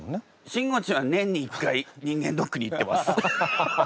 しんごちんは年に１回人間ドックに行ってます。